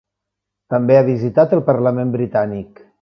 També ha visitat el parlament britànic.